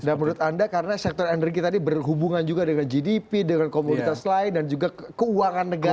dan menurut anda karena sektor energi tadi berhubungan juga dengan gdp dengan komunitas lain dan juga keuangan negara